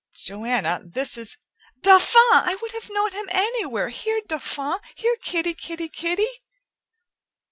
"Joanna, this is " "Dauphin! I would have known him anywhere. Here, Dauphin! Here, kitty, kitty, kitty!"